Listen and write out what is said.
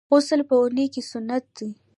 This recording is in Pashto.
غسل په اونۍ کي سنت دی.